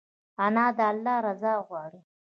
انا د الله رضا غواړي